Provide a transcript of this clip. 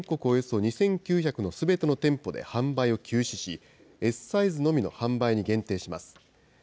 およそ２９００のすべての店舗で販売を休止し、Ｓサイズのみの販売に限定します。